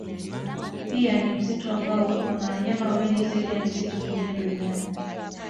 Pia ni msitu ambao una wanyama wengi zaidi ya misitu mingine duniani.